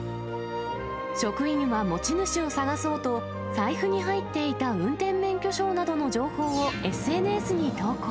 職員は持ち主を捜そうと、財布に入っていた運転免許証などの情報をＳＮＳに投稿。